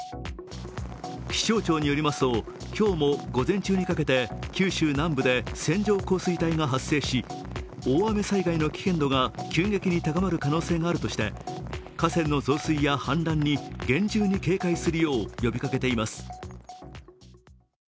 気象庁によりますと、今日も午前中にかけて九州南部で線状降水帯が発生し、大雨災害の危険度が急激に高まる可能性があるとして、河川の増水や氾濫に厳重に警戒するよう呼びかけています。